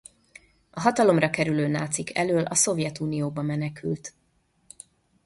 A hatalomra kerülő nácik elől a Szovjetunióba menekült.